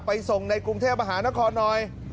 ส่งในกรุงเทพมหานครหน่อย